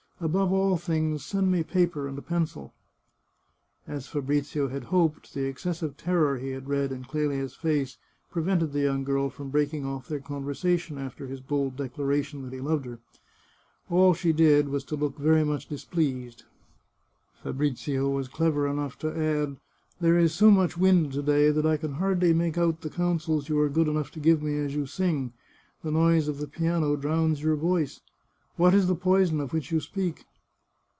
Above all things, send me paper and a pencil." 350 The Chartreuse of Parma As Fabrizio had hoped, the excessive terror he had read in Clelia's face prevented the young girl from breaking off their conversation after his bold declaration that he loved her. All she. did was to look very much displeased. Fa brizio was clever enough to add :" There is so much wind to day that I can hardly make out the counsels you are good enough to give me as you sing; the noise of the piano drowns your voice. What is the poison of which you speak